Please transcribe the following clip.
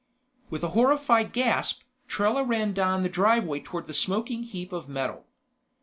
With a horrified gasp, Trella ran down the driveway toward the smoking heap of metal.